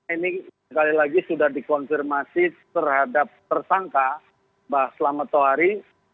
ini sekali lagi sudah dikonfirmasi terhadap tersangka mbak selamat tohari